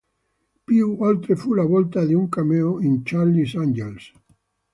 Più oltre fu la volta di un cameo in Charlie's Angels.